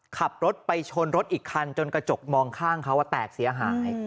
ขับรถไปชนรถอีกคันจนกระจกมองข้างเขาแตกเสียหาย